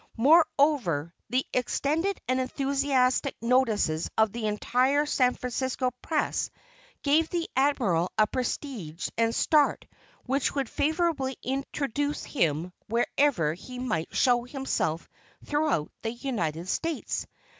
Moreover, the extended and enthusiastic notices of the entire San Francisco press gave the Admiral a prestige and start which would favorably introduce him wherever he might show himself throughout the United States.